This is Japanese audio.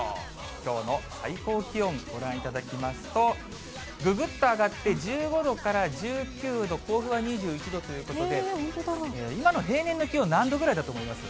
きょうの最高気温、ご覧いただきますと、ぐぐっと上がって、１５度から１９度、甲府は２１度ということで、今の平年の気温、何度ぐらいだと思います？